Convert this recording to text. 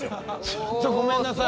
ちょっとごめんなさい。